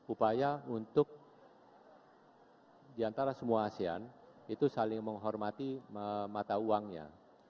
upaya untuk diantara semua asean itu saling menghormati mata uangnya